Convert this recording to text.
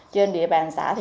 trên địa bàn xã